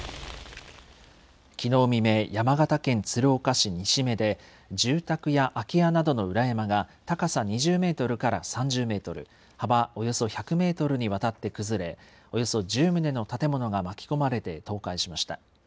きのう未明、山形県鶴岡市西目で、住宅や空き家などの裏山が高さ２０メートルから３０メートル、幅およそ１００メートルにわたって崩れ、およそ１０棟の建物が巻き込まれて倒壊しました。